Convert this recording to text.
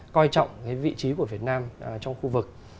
quan trọng cái vị trí của việt nam trong khu vực